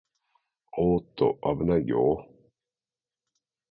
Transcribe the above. おーっと、あぶないよー